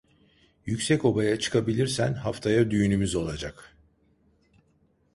Yüksekoba'ya çıkabilirsen haftaya düğünümüz olacak.